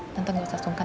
tante gak usah sungkan